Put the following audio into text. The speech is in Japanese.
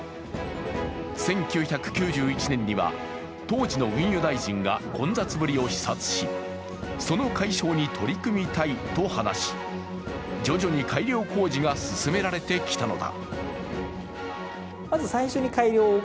１９９１年には、当時の運輸大臣が混雑ぶりを視察しその解消に取り組みたいと話し、徐々に改良工事が進められてきたのだ。